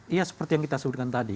iya seperti yang kita sebutkan tadi